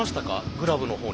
グラブのほうに。